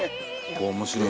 面白い。